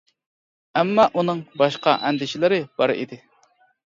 ئەمما ئۇنىڭ باشقا ئەندىشىلىرى بار ئىدى.